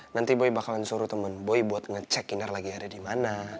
nanti boy bakalan suruh temen boy buat ngecek inner lagi ada di mana